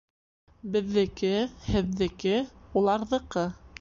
Беҙҙеке, һеҙҙеке, уларҙыҡы